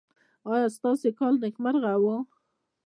ایا ستاسو کال نیکمرغه و؟